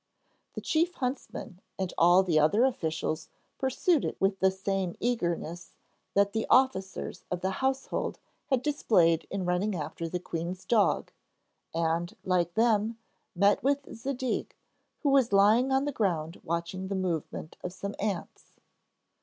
The chief huntsman and all the other officials pursued it with the same eagerness that the officers of the household had displayed in running after the queen's dog and, like them, met with Zadig who was lying on the ground watching the movements of some ants.